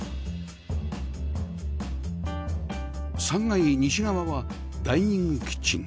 ３階西側はダイニングキッチン